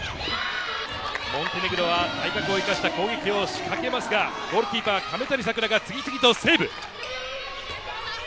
モンテネグロは体格を生かした攻撃を仕掛けますが、ゴールキーパー・亀谷さくらが次々とセーブ。